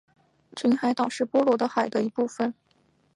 群岛海是波罗的海的一部份。